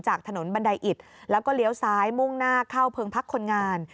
จากถนนบันไดอิดแล้วก็เลี้ยวซ้ายมุ่งหน้าเข้าเพิงพักคนงาน